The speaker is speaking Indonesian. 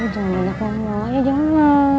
jangan lah jangan